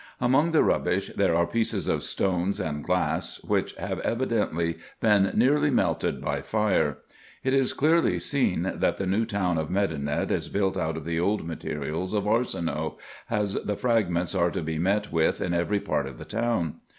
Among the rubbish there are pieces of stones and glass, which have evidently been nearly melted by fire. It is clearly seen, that the new town of Medinet is built out of the old materials of Arsinoe, as the fragments are to be met with in every part of the town.